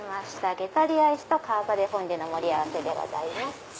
ゲタリアイスとカーサデフォンデュの盛り合わせでございます。